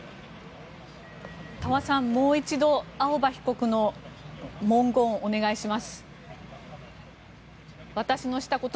峠さん、もう一度青葉被告の文言をお願いします。